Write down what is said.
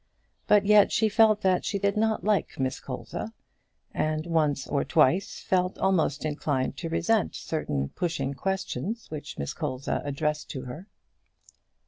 But yet she felt that she did not like Miss Colza, and once or twice felt almost inclined to resent certain pushing questions which Miss Colza addressed to her.